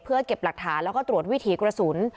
เพื่อเก็บหลักฐานแล้วก็ตรวจวิถีกระสุน